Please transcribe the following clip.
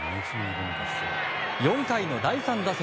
４回の第３打席。